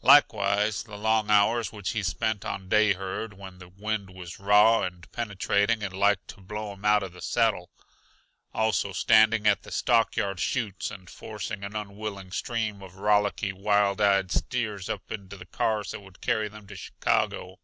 Likewise the long hours which he spent on day herd, when the wind was raw and penetrating and like to blow him out of the saddle; also standing at the stockyard chutes and forcing an unwilling stream of rollicky, wild eyed steers up into the cars that would carry them to Chicago.